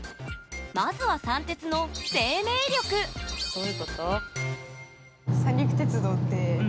まずは三鉄のどういうこと？